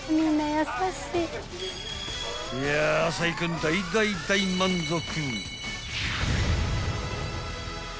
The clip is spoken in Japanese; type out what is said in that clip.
［いや宰君大大大満足］